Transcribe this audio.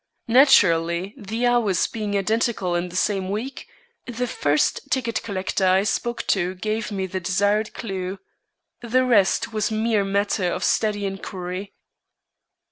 Naturally, the hours being identical in the same week, the first ticket collector I spoke to gave me the desired clue. The rest was a mere matter of steady inquiry."